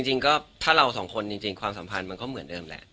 จริงก็ถ้าเราสองคนจริงความสัมพันธ์มันก็เหมือนเดิมแหละ